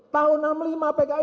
tahun enam puluh lima pki